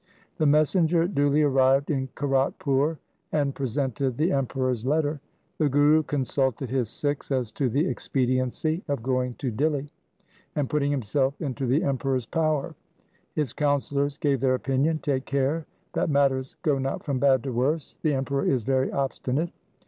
The messenger duly arrived in Kiratpur and pre sented the Emperor's letter. The Guru consulted 1 Gujari. LIFE OF GURU HAR RAI 307 his Sikhs as to the expediency of going to Dihli, and putting himself into the Emperor's power. His counsellors gave their opinion, ' Take care that matters go not from bad to worse. The Emperor is very obstinate.